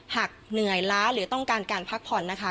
หากเหนื่อยล้าหรือต้องการการพักผ่อนนะคะ